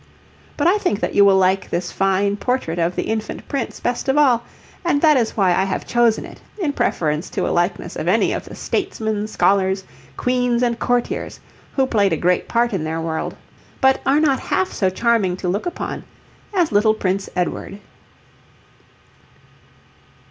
But I think that you will like this fine portrait of the infant prince best of all, and that is why I have chosen it in preference to a likeness of any of the statesmen, scholars, queens, and courtiers who played a great part in their world, but are not half so charming to look upon as little Prince Edward.